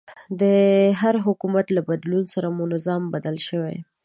د هر حکومت له بدلون سره مو نظام بدل شوی.